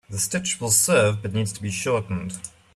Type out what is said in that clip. The stitch will serve but needs to be shortened.